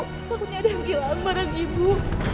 takutnya ada yang hilang barang ibu